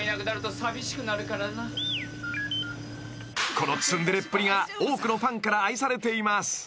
［このツンデレっぷりが多くのファンから愛されています］